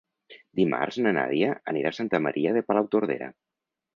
Dimarts na Nàdia anirà a Santa Maria de Palautordera.